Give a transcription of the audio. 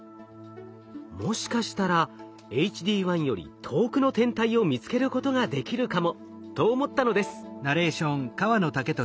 もしかしたらＨＤ１より遠くの天体を見つけることができるかもと思ったのです。